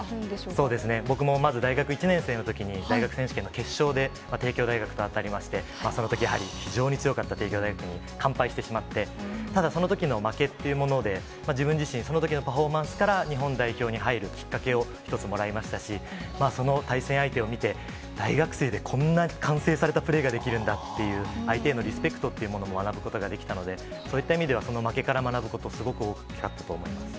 そうですね、僕もまず大学１年生のときに大学選手権の決勝で、帝京大学と当たりまして、そのとき、やはり非常に強かった帝京大学に完敗してしまって、ただ、そのときの負けというもので、自分自身、そのときの負けという経験から、日本代表に入るきっかけを、一つもらいましたし、その対戦相手を見て、大学生でこんな完成されたプレーができるんだっていう相手へのリスペクトというものも学ぶことができたので、そういった意味では、その負けから学ぶこと、すごく大きかったと思います。